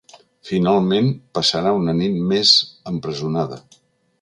Finalment, passarà una nit més empresonada.